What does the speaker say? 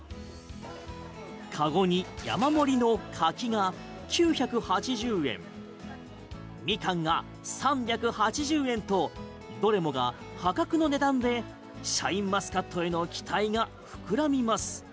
カゴに山盛りのカキが９８０円ミカンが３８０円とどれもが破格の値段でシャインマスカットへの期待が膨らみます。